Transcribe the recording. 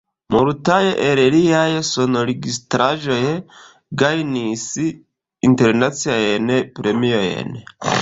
Multaj el liaj sonregistraĵoj gajnis internaciajn premiojn.